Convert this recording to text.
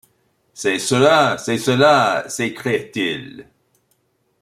C’est cela ! c’est cela ! s’écria-t-il.